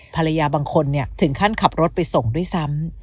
ภรรยาบางคนถึงขั้นขับรถไปส่งด้วยซ้ำ